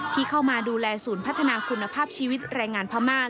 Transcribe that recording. ที่เข้ามาดูแลศูนย์พัฒนาคุณภาพชีวิตแรงงานพม่า